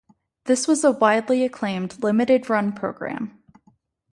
This was a widely acclaimed limited run program.